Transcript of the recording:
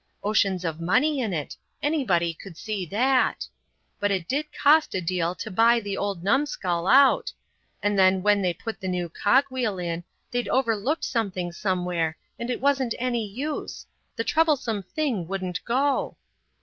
Oceans of money in it anybody could see that. But it did cost a deal to buy the old numskull out and then when they put the new cog wheel in they'd overlooked something somewhere and it wasn't any use the troublesome thing wouldn't go.